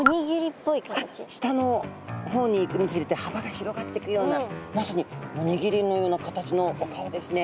下の方にいくにつれてはばが広がってくようなまさにおにぎりのような形のお顔ですね。